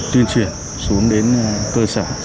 tuyên truyền xuống đến cơ sở